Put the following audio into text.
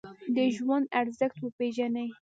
د ژوند ارزښت وپیژنئ